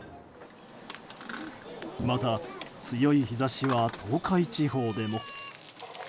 また、強い日差しは東海地方でも。